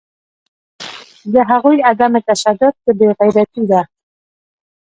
د هغوی عدم تشدد که بیغیرتي ده